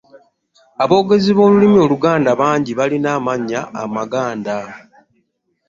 Aboogezi b'Olulimi Oluganda bangi balina amannya Amaganda.